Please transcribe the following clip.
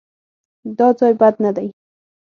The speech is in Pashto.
_دا ځای بد نه دی.